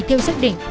theo xác định